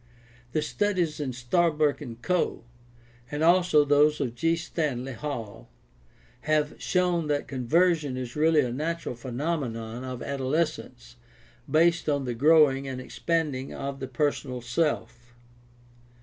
The studies of Starbuck and Coe, and also those of G. Stanley Hall, have shown that "conversion" is really a natural phenomenon of adolescence based on the growing and expand ing of the personal self.